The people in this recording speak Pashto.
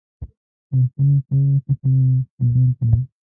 له خپلو چارو څخه مي خبر کړئ.